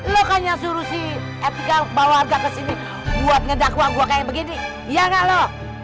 lo kan yang suruh si etikal keluarga kesini buat ngedakwa gue kayak begini ya gak lo